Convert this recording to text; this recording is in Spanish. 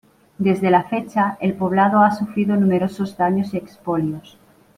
Desde la fecha, el poblado ha sufrido numerosos daños y expolios.